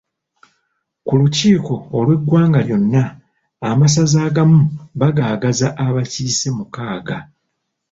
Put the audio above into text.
Ku lukiiko olw'eggwanga lyonna amasaza agamu bagagaza abakiise mukaaga.